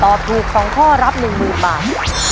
ถูก๒ข้อรับ๑๐๐๐บาท